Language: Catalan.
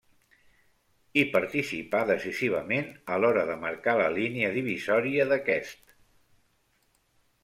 I participà decisivament a l'hora de marcar la línia divisòria d'aquest.